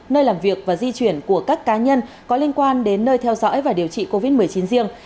nơi làm việc và di chuyển của các cá nhân có liên quan đến nơi theo dõi và điều trị covid một mươi chín riêng